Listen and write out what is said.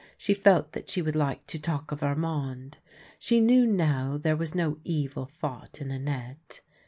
She felt that she would like to talk of Armand. She knew now there was no evil thought in Annette.